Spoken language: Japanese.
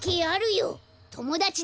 ともだちだろ！